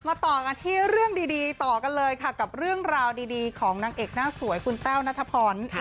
ต่อกันที่เรื่องดีต่อกันเลยค่ะกับเรื่องราวดีของนางเอกหน้าสวยคุณแต้วนัทพร